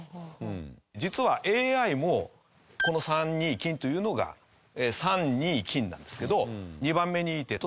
実はＡＩもこの３二金というのが「３」「二」「金」なんですけど。